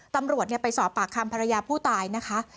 ตำรวจไปสอบปากคำภรรยาผู้ตายนะคะ